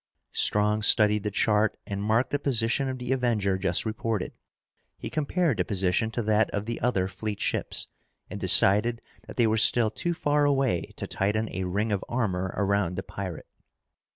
Strong studied the chart and marked the position of the Avenger just reported. He compared the position to that of the other fleet ships and decided that they were still too far away to tighten a ring of armor around the pirate.